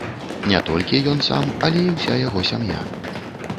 І не толькі ён сам, але і ўся яго сям'я.